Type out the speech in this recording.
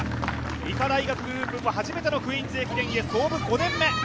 医科大学グループも初めての「クイーンズ駅伝」へ創部５年目。